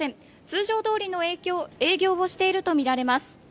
通常どおりの営業をしているとみられます。